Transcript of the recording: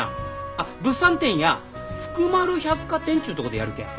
あっ物産展や福丸百貨店ちゅうとこでやるけん。